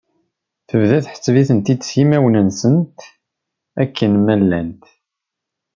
Tebda tḥesseb-itent-id s yismawen-nsent akken ma llant.